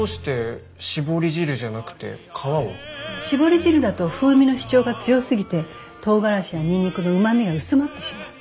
搾り汁だと風味の主張が強すぎてトウガラシやニンニクのうまみが薄まってしまう。